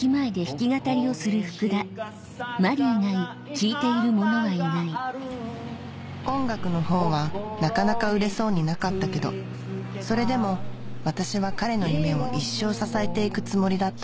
ここにしか咲かない花がある音楽のほうはなかなか売れそうになかったけどそれでも私は彼の夢を一生支えていくつもりだった